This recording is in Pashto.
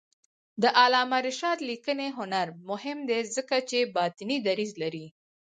د علامه رشاد لیکنی هنر مهم دی ځکه چې باطني دریځ لري.